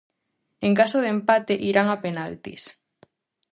En caso de empate, irán a penaltis.